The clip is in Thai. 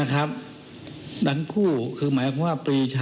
ทั้งคู่นะครับทั้งคู่คือหมายความว่าปรีเจ้า